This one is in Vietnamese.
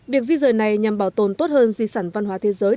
việc di rời này nhằm bảo tồn tốt hơn di sản văn hóa thế giới